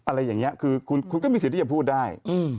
อะไรอย่างนี้คือคุณก็มีสิทธิ์ที่จะพูดได้